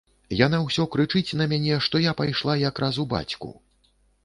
Яна ўсё крычыць на мяне, што я пайшла якраз у бацьку!